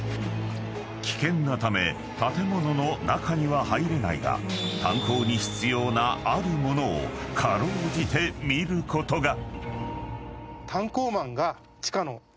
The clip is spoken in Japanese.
［危険なため建物の中には入れないが炭鉱に必要なある物を辛うじて見ることが］